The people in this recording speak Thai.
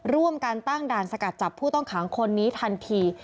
ร่วมกันตั้งด่านสกัดจับผู้ต้องขังคนนี้ทันที